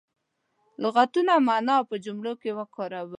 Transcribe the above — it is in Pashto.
لغتونه معنا او په جملو کې وکاروي.